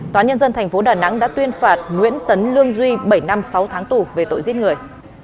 tòa nhân dân tp đà nẵng đã tuyên phạt nguyễn tấn lương duy bảy năm sáu tháng tù về tội giết người